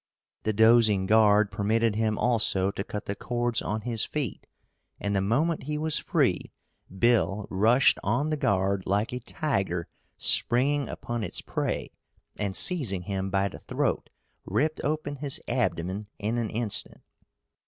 The dozing guard permitted him also to cut the cords on his feet, and the moment he was free Bill rushed on the guard like a tiger springing upon its prey and seizing him by the throat ripped open his abdomen in an instant.